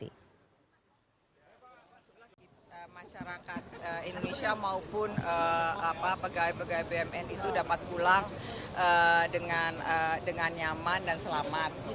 masyarakat indonesia maupun pegawai pegawai bumn itu dapat pulang dengan nyaman dan selamat